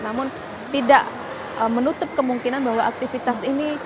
namun tidak menutup kemungkinan bahwa aktivitas ini